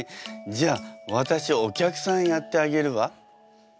じゃあ私お客さんやってあげるわ。